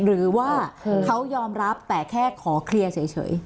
หรือว่าเขายอมรับแต่แค่ขอเคลียร์เฉย